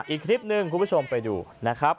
อีกคลิปหนึ่งคุณผู้ชมไปดูนะครับ